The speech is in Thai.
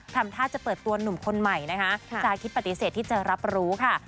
ทำท่าจะเปิดตัวหนุ่มคนใหม่นะคะจาคิดปฏิเสธที่จะรับรู้ค่ะ